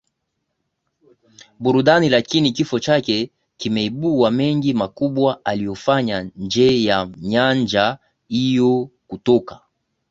burudani lakini kifo chake kimeibua mengi makubwa aliyofanya nje ya nyanja hiyo Kutoka